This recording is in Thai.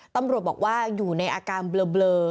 ตำรวจบอกว่าอยู่ในอาการเบลอ